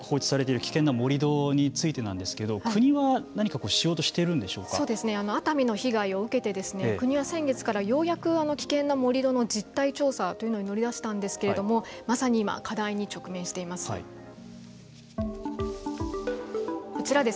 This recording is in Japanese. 今放置されている危険な盛り土についてなんですけれども国は何かしようと熱海の被害を受けて国は先月からようやく危険な盛り土の実態調査というのに乗り出したんですけどまさに今課題に直面しています。